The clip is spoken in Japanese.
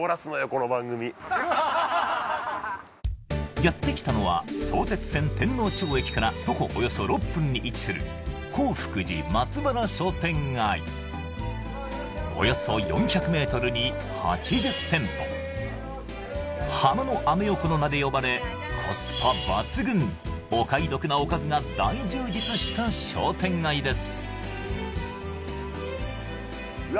やって来たのは相鉄線天王町駅から徒歩およそ６分に位置するおよそ４００ｍに８０店舗「ハマのアメ横」の名で呼ばれコスパ抜群お買い得なおかずが大充実した商店街です